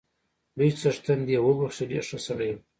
لوی څښتن دې يې وبخښي، ډېر ښه سړی وو